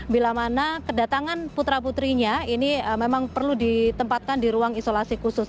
bila mana kedatangan putra putrinya ini memang perlu ditempatkan di ruang isolasi khusus